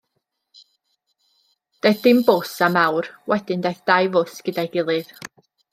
Daeth dim bws am awr, wedyn daeth dau fws gyda'i gilydd.